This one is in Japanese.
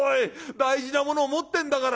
大事なものを持ってんだから。